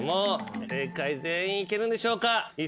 正解全員いけるんでしょうか？